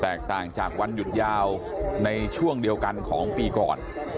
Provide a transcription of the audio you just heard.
ต่างจากวันหยุดยาวในช่วงเดียวกันของปีก่อน